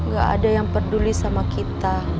gak ada yang peduli sama kita